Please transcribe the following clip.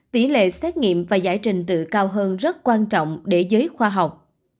tỷ lệ xét nghiệm và giải trình tự cao hơn rất quan trọng để giới khoa học